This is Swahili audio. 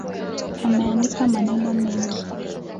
Ameandika maneno mengi